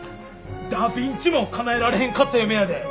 ダ・ビンチもかなえられへんかった夢やで。